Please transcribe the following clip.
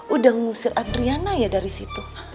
udah ngusir adriana ya dari situ